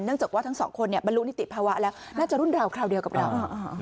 จากว่าทั้งสองคนบรรลุนิติภาวะแล้วน่าจะรุ่นราวคราวเดียวกับเรา